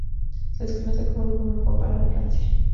Se desconoce cómo el volumen fue a parar a Francia.